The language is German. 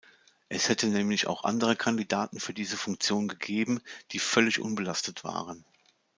Es hätte nämlich auch andere Kandidaten für diese Funktion gegeben, die völlig unbelastet waren.